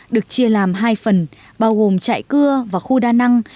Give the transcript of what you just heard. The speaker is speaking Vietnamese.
được chia làm hai phần bao gồm chạy cưa và khu đa năng